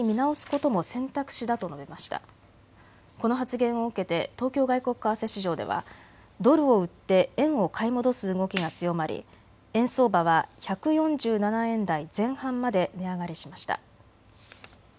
この発言を受けて東京外国為替市場ではドルを売って円を買い戻す動きが強まり円相場は１４７円台前半まで値上がりしました。